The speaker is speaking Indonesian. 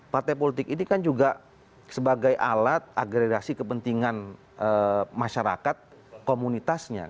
partai politik ini kan juga sebagai alat agredasi kepentingan masyarakat komunitasnya